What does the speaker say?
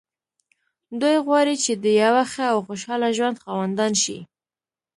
دوی غواړي چې د يوه ښه او خوشحاله ژوند خاوندان شي.